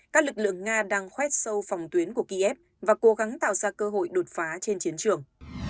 các lực lượng nga đang khoét sâu phòng tuyến của kiev và cố gắng tạo ra cơ hội đột phá trên chiến trường